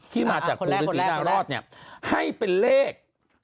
ที่มาจากปูหรือสีนาลอดเนี่ยก็ให้เป็นเลข๐๕๗